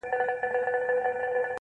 o چي ته بېلېږې له خپل كوره څخه.